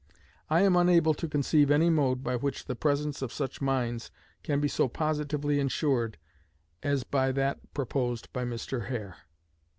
I am unable to conceive any mode by which the presence of such minds can be so positively insured as by that proposed by Mr. Hare.